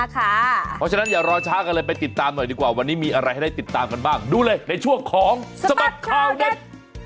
เพราะฉะนั้นอย่ารอช้ากันเลยไปติดตามหน่อยดีกว่าวันนี้มีอะไรให้ได้ติดตามกันบ้างดูเลยในช่วงของสบัดข่าวเด็ด